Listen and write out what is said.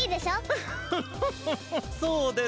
フフフフフフそうですね。